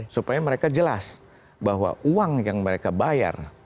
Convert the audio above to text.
supaya mereka jelas bahwa uang yang mereka bayar